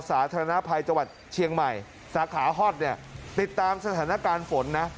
สาธารณภัยจังหวัดเชียงใหม่สาขาฮอตเนี่ยติดตามสถานการณ์ฝนนะ